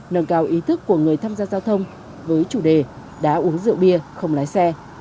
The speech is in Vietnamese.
nâng cao ý thức của người tham gia giao thông với chủ đề đã uống rượu bia không lái xe